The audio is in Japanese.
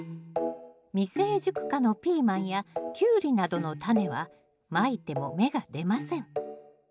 未成熟果のピーマンやキュウリなどのタネはまいても芽が出ません。